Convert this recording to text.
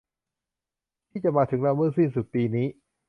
ที่จะมาถึงเราเมื่อสิ้นสุดปีนี้